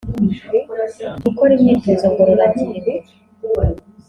gukora imyitozo ngororangingo